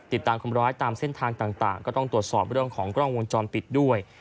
ติดตามคนร้ายตามเส้นทางต่างก็ต้องตรวจสอบเรื่องของกล้องวงจรปิดด้วย